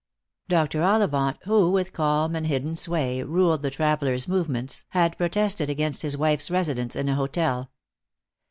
Dr. Ollivant, who with calm and hidden sway ruled the travellers' movements, had protested against his wife's resi dence in an hotel.